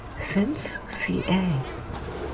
Since ca.